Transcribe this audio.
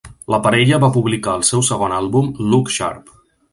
La parella va publicar el seu segon àlbum Look Sharp!